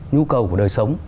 nhu cầu của đời sống